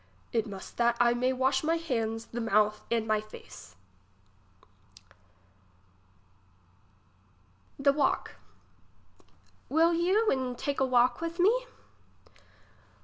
It must that I may wash my hands, the mouth and my face. ^he walk. Will you and take a walk with me